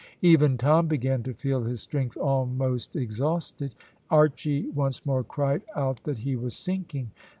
Even Tom began to feel his strength almost exhausted. Archy once more cried out that he was sinking.